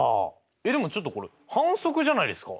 えっでもちょっとこれ反則じゃないですか？